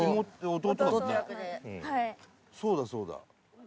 そうだそうだ。